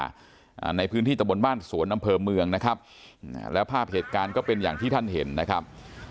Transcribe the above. อ่าในพื้นที่ตะบนบ้านสวนอำเภอเมืองนะครับอ่าแล้วภาพเหตุการณ์ก็เป็นอย่างที่ท่านเห็นนะครับ